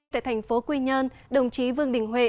tại thành phố quy nhơn đồng chí vương đình huệ